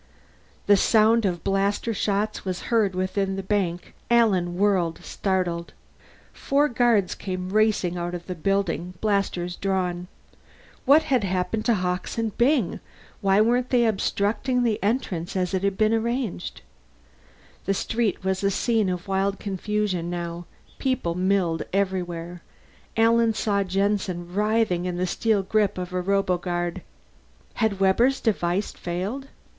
The sound of blaster shots was heard within the bank; Alan whirled, startled. Four guards came racing out of the building, blasters drawn. What had happened to Hawkes and Byng why weren't they obstructing the entrance, as it had been arranged? The street was a scene of wild confusion now; people milled everywhere. Alan saw Jensen writhing in the steel grip of a roboguard. Had Webber's device failed?